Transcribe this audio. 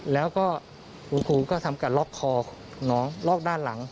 แล้วก็คุณครูก็ทำการล็อกคอน้องล็อกด้านหลัง